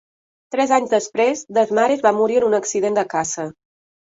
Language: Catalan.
Tres anys després, Desmares va morir en un accident de caça.